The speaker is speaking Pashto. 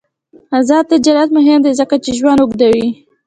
آزاد تجارت مهم دی ځکه چې ژوند اوږدوي.